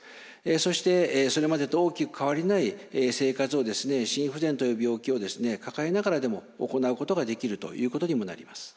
そしてそれまでと大きく変わりない生活を心不全という病気を抱えながらでも行うことができるということにもなります。